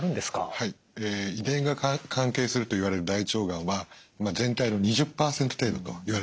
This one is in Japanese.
はい遺伝が関係するといわれる大腸がんは全体の２０％程度といわれています。